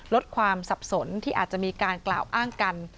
ลดความสับสนที่อาจจะมีการกล่าวอ้างกัน